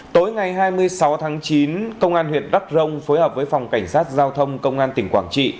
tối ngày hai mươi sáu tháng chín công an huyện đắc rông phối hợp với phòng cảnh sát giao thông công an tỉnh quảng trị